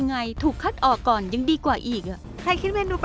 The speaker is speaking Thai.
ว่าเราไม่ให้คุณไปง่าย